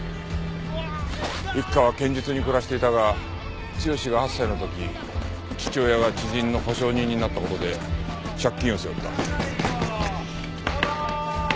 一家は堅実に暮らしていたが剛が８歳の時父親が知人の保証人になった事で借金を背負った。